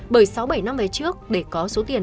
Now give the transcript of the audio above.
bởi sáu bảy năm về trước để có số tiền